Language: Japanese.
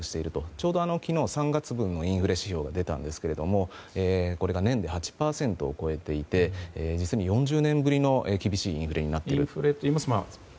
ちょうど昨日、３月分のインフレ指標が出たんですけどこれが年度８％を超えていて実に４０年ぶりの厳しいインフレになっている。